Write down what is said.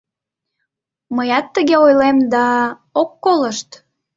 — Мыят тыгак ойлем да... ок колышт.